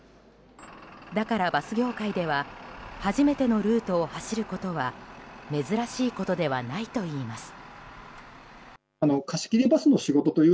だからバス業界では初めてのルートを走ることは珍しいことではないといいます。